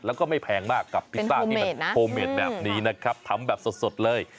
แล้วก็ไม่แพงมากกับพิซซ่าที่มันโฮเมดแบบนี้นะครับทำแบบสดเลย